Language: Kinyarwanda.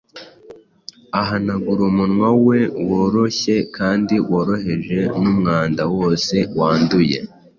Ahanagura umunwa we woroshye kandi woroheje mumwanda wose wanduye.